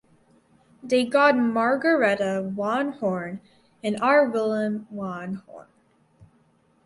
They got Margaretha van Horne and our Willem van Horne.